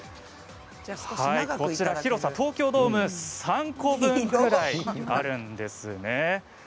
広さは東京ドーム３個分ぐらいあるんですね。